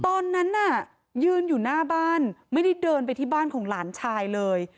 ตอนนั้นน่ะยืนอยู่หน้าบ้านไม่ได้เดินไปที่บ้านของหลานชายเลย